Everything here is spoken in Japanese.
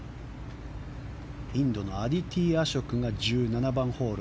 インドのアディティ・アショクが１７番ホール。